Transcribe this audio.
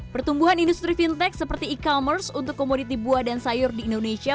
pertumbuhan industri fintech seperti e commerce untuk komoditi buah dan sayur di indonesia